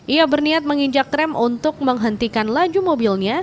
ia berniat menginjak rem untuk menghentikan laju mobilnya